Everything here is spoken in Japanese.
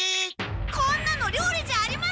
こんなの料理じゃありません！